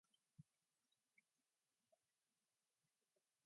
It was followed by a sequel, "Zucchini Out West".